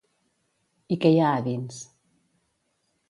I què hi ha a dins?